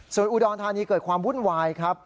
ส่วนอุดรธานีเกิดความวุ่นวายครับ